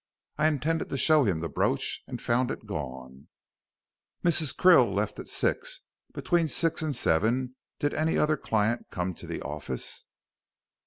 I intended to show him the brooch and found it gone." "Mrs. Krill left at six. Between six and seven did any other client come into the office?"